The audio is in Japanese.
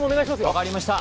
分かりました。